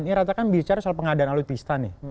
ini rata kan bicara soal pengadaan alutsista nih